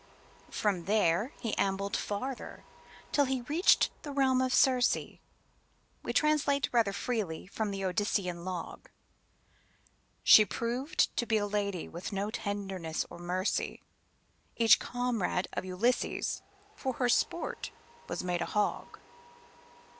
From there he ambled farther till he reached the realm of Circé; We translate rather freely from the Odyssean log: "She proved to be a lady with no tenderness or mercy, Each comrade of Ulysses, for her sport, was made a hog."